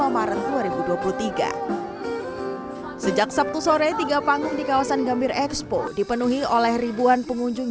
maret dua ribu dua puluh tiga sejak sabtu sore tiga panggung di kawasan gambir expo dipenuhi oleh ribuan pengunjung